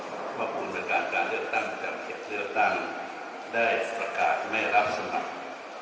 ขอบคุณบรรยากาศการเลือกตั้งจากเขตเลือกตั้งได้ประกาศไม่รับสมัคร